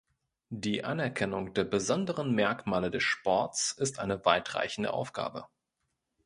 Die Anerkennung der besonderen Merkmale des Sports ist eine weitreichende Aufgabe.